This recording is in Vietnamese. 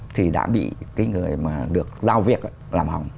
thì đã bị cái người mà được giao việc làm hỏng